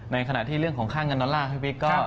ในขณะที่เรื่องของค่าเงินดอลลาร์พี่บิ๊กก็